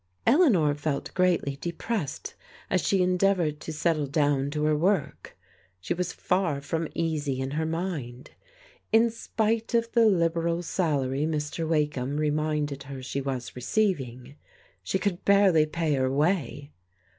Eleanor felt greatly depressed as she endeavoured to settle down to her work. She was far from easy in her mind. In spite of the liberal salary Mr. Wakeham re minded her she was receiving, she could barely pay her way.